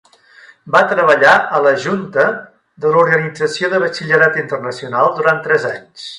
Va treballar a la junta de l'Organització de Batxillerat Internacional durant tres anys.